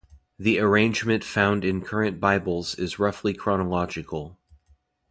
The arrangement found in current Bibles is roughly chronological.